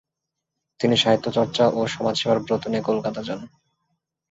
তিনি সাহিত্যচর্চা ও সমাজসেবার ব্রত নিয়ে কলকাতা যান।